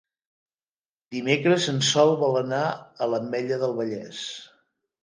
Dimecres en Sol vol anar a l'Ametlla del Vallès.